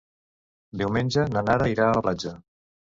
Diumenge na Nara irà a la platja.